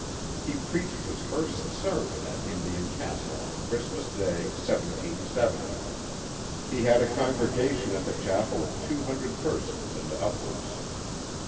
He preached his first sermon at Indian Castle on Christmas Day, 1770. He had a congregation at the chapel of two hundred persons and upwards.